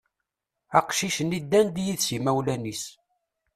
Aqcic-nni ddan-d yid-s yimawlan-is.